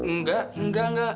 enggak enggak enggak